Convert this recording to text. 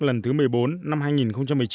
lần thứ một mươi bốn năm hai nghìn một mươi chín